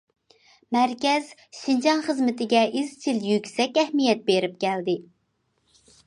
مەركەز شىنجاڭ خىزمىتىگە ئىزچىل يۈكسەك ئەھمىيەت بېرىپ كەلدى.